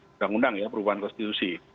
undang undang perubahan konstitusi